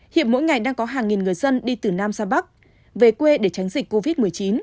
hiện mỗi ngày đang có hàng nghìn người dân đi từ nam ra bắc về quê để tránh dịch covid một mươi chín